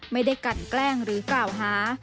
ไม่ได้กันแกล้งหรือกล่าวหา